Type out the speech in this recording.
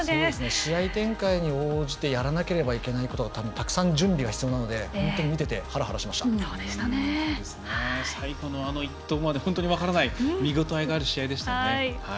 試合展開に応じてやらなければいけないことが多分、たくさん準備が必要なので本当に見ていて最後のあの１投まで本当に分からない見応えのある試合でしたね。